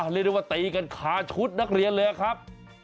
เรียกได้ว่าตีกันคาชุดนักเรียนเลยครับ